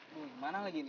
duh gimana lagi ini